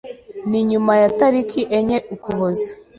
Ni nyuma ya tariki enye Ukuboza